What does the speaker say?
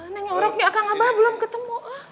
neng orangnya akan ngga bha belum ketemu